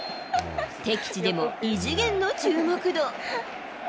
敵地でも異次元の注目度。